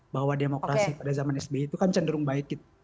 bahwa demokrasi pada zaman sby itu kan cenderung baik